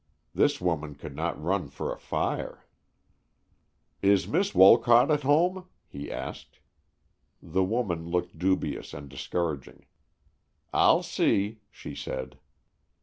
This woman could not run for a fire. "Is Miss Wolcott at home?" he asked. The woman looked dubious and discouraging. "I'll see," she said.